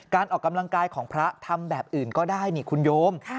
การออกกำลังกายของพระทำแบบอื่นก็ได้นี่คุณโยม